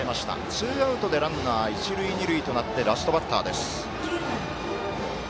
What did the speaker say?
ツーアウト、ランナー一塁二塁となってラストバッターです。